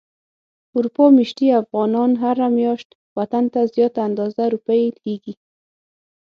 اروپا ميشتي افغانان هره مياشت وطن ته زياته اندازه روپی ليږي.